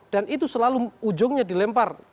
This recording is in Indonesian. dan itu selalu ujungnya dilempar